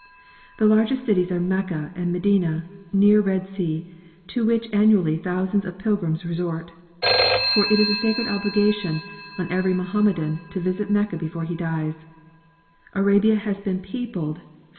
The largest cities are Mecca and Medina, near Red sea, to which annually thousands of pil grims resort; for it is a sacred obligation on every Mohammedan to yisit Mecca before he dies, Arabia has been peopled from 6 G.